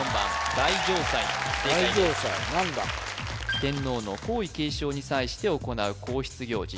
大嘗祭何だ天皇の皇位継承に際して行う皇室行事